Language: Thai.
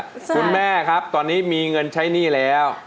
คุณแม่ครับตอนนี้มีเงินใช้หนี้แล้ว